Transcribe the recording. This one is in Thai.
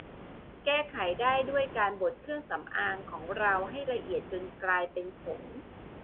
แก้ไขได้ด้วยการบดเครื่องสำอางของเราให้ละเอียดจนกลายเป็นผง